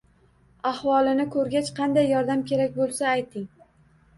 Ahvolini koʻrgach qanday yordam kerak boʻlsa, ayting